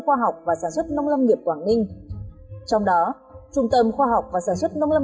khoa học và sản xuất nông lâm nghiệp quảng ninh trong đó trung tâm khoa học và sản xuất nông